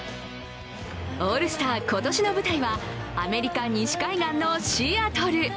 オールスター、今年の舞台はアメリカ西海岸のシアトル。